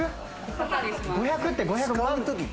５００って５００万？